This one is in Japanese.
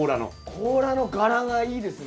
甲羅の柄がいいですね